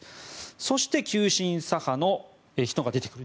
そして、急進左派の人が出てくる。